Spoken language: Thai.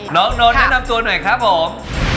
น้องนนท์แนะนำตัวหน่อยครับผม